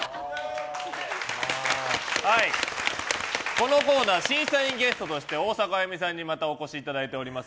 このコーナー審査員ゲストとして大迫あゆみさんにまたお越しいただいています。